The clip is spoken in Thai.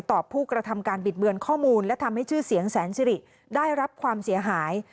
ผู้กระทำการบิดเบือนข้อมูลและทำให้ชื่อเสียงแสนสิริได้รับความเสียหาย